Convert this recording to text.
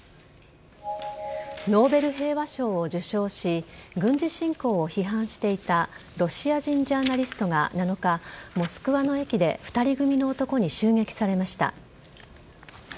ノーベル平和賞を受賞し軍事侵攻を批判していたロシア人ジャーナリストが７日モスクワの駅で２人組の男に襲撃されました。